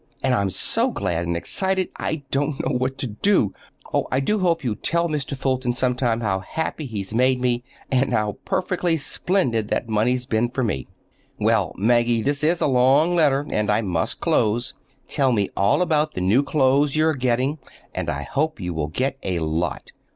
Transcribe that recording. And I'm so glad and excited I don't know what to do. Oh, I do hope you'll tell Mr. Fulton some time how happy he's made me, and how perfectly splendid that money's been for me. Well, Maggie, this is a long letter, and I must close. Tell me all about the new clothes you are getting, and I hope you will get a lot.